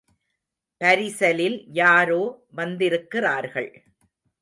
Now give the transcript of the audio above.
பரிசலில் யாரோ வந்திருக்கிறார்கள்.